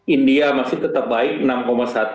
india masih tetap baik enam satu